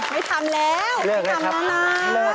ไม่ทำแล้วไม่ทำแล้วนะ